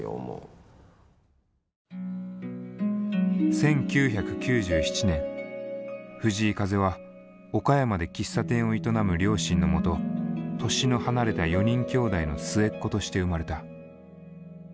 １９９７年藤井風は岡山で喫茶店を営む両親のもと年の離れた４人兄弟の末っ子として生まれた。